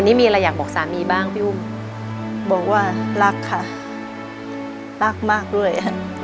นี่มีอะไรอยากบอกสามีบ้างพี่อุ้มบอกว่ารักค่ะรักมากด้วย